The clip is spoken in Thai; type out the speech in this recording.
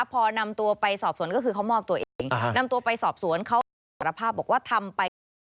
พอนำตัวไปสอบสวนก็คือเขามอบตัวเองนำตัวไปสอบสวนเขารับสารภาพบอกว่าทำไปเพราะ